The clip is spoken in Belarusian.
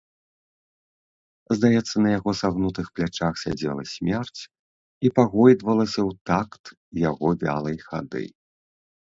Здаецца, на яго сагнутых плячах сядзела смерць і пагойдвалася ў тахту яго вялай хады.